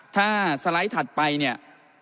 ถ้าสไลด์ถัดไปเนี่ย